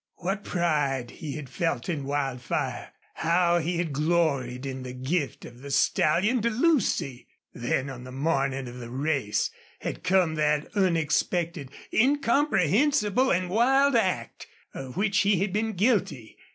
What pride he had felt in Wildfire! How he had gloried in the gift of the stallion to Lucy! Then, on the morning of the race had come that unexpected, incomprehensible and wild act of which he had been guilty.